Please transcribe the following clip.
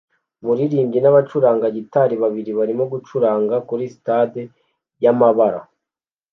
Umuririmvyi n'abacuranga gitari babiri barimo gucuranga kuri stade yamabara